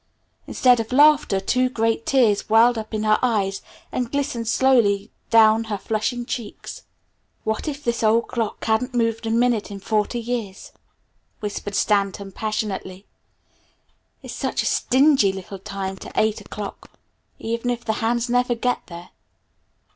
Instead of laughter, two great tears welled up in her eyes and glistened slowly down her flushing cheeks. "What if this old clock hasn't moved a minute in forty years?" whispered Stanton passionately, "it's such a stingy little time to eight o'clock even if the hands never get there!"